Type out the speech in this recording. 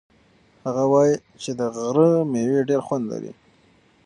هغه وایي چې د غره مېوې ډېر خوند لري.